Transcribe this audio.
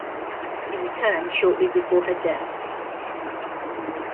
He returned shortly before her death.